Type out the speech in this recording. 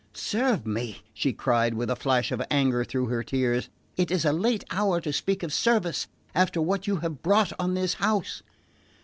"Serve me?" she cried, with a flash of anger through her tears. "It is a late hour to speak of service, after what you have brought on this house!"